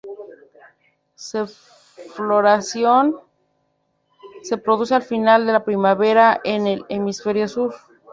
Se floración se produce al final de la primavera en el Hemisferio Sur.